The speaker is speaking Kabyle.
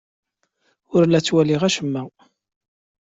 Ur la ttwaliɣ acemma.